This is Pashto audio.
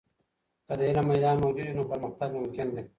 که د علم ميلان موجود وي، نو پرمختګ ممکن دی.